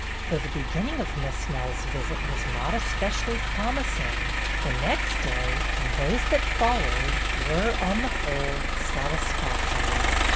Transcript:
Though the beginning of Miss Snell's visit was not especially promising, the next day and those that followed were, on the whole, satis factory.